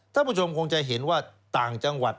ท่านผู้ชมคงจะเห็นว่าต่างจังหวัด